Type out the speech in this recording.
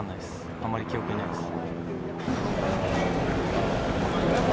あまり記憶にないです。